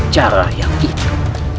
cara yang itu